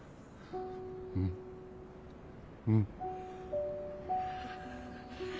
うんうん。